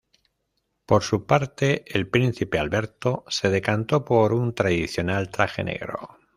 Por su parte, el príncipe Alberto, se decantó por un tradicional traje negro.